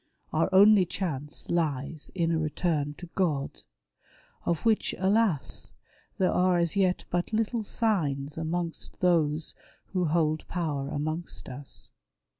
Our only chance lies in a return to God ; of which, alas, there are as yet but little signs amongst those who hold power amongst us.